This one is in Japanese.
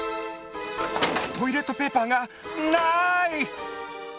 トイレットペーパーがない！